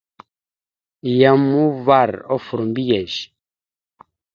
Yam uvar offor mbiyez.